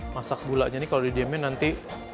masak gulanya ini kalau didiemin nanti